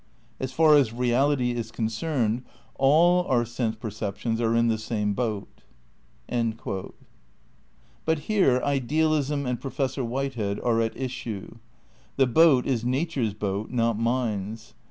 ' "As far as reality is concerned all our sense perceptions are in the same boat." ' But here idealism and Professor Whitehead are at issue — the boat is nature's boat not mind's.